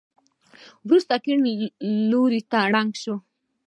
وروسته کيڼ لورته ړنګه شوه.